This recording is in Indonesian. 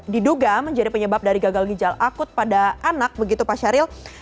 diduga menjadi penyebab dari gagal ginjal akut pada anak begitu pak syahril